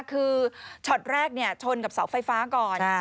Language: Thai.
คือช็อตแรกชนกับเสาไฟฟ้าก่อน